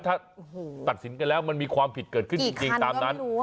ถ้าตัดสินกันแล้วมันมีความผิดเกิดขึ้นจริงตามนั้น